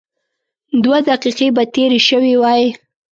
دوه دقيقې به تېرې شوې وای.